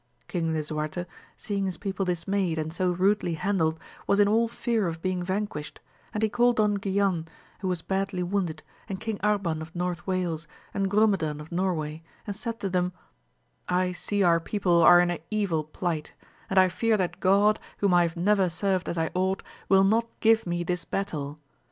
King Lisuaxte, seeing his people dismayed and so rudely handled, was in all fear of being vanquished, and he called Don Guilan, who was badly wounded, and Eong Arban of North Wales, and Grumedan of Nor way, and said to them, I see our people are in an evil plight, and I fear that God, whom I have never served as I ought, will not give me this battle.